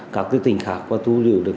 các cái tỉnh khác và thu giữ được